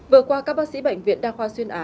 vừa qua các bác sĩ bệnh viện đa khoa xuyên á